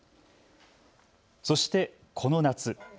そしてこの夏。